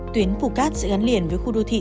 tuyến phủ cát sẽ gắn liền với khu đô thị